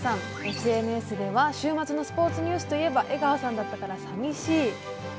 ＳＮＳでは週末のスポーツニュースといえば江川さんだったから寂しい。